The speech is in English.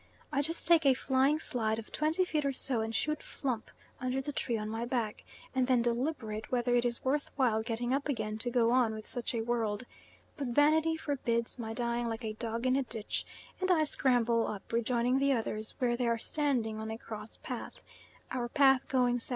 I just take a flying slide of twenty feet or so and shoot flump under the tree on my back, and then deliberate whether it is worth while getting up again to go on with such a world; but vanity forbids my dying like a dog in a ditch, and I scramble up, rejoining the others where they are standing on a cross path: our path going S.E.